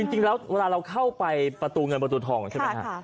จริงแล้วเวลาเราเข้าไปประตูเงินประตูทองใช่ไหมฮะ